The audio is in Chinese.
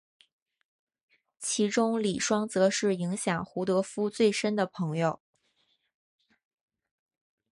其中李双泽是影响胡德夫最深的朋友。